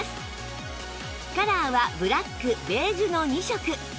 カラーはブラックベージュの２色